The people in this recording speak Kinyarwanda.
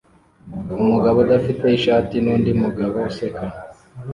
Umugabo udafite ishati nundi mugabo useka